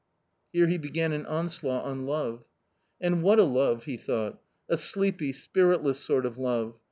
Here he began an onslaught on love. " And what a love !" he thought, " a sleepy, spiritless sort of love.